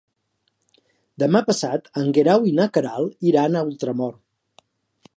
Demà passat en Guerau i na Queralt iran a Ultramort.